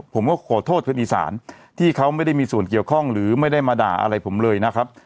ผมก็ขอโทษคนอีสานที่เขาไม่ได้มีส่วนเกี่ยวข้องหรือไม่ได้มาด่าอะไรผมเลยนะครับ